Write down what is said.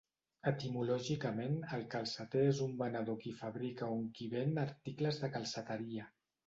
Etimològicament, el calceter és un venedor qui fabrica on qui ven articles de calceteria.